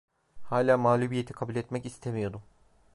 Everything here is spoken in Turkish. Hala mağlubiyeti kabul etmek istemiyordum.